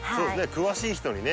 詳しい人にね